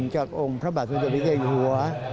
จากองค์พระบาทสุจริยะอยู่หัว